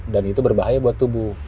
dan itu berbahaya buat tubuh